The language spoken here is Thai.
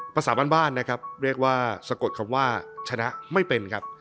ภาษาบ้านนะครับเรียกว่าสะกดคำว่าชนะไม่เป็นครับ